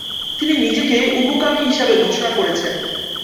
তিনি নিজেকে উভকামী হিসাবে ঘোষণা করেছেন।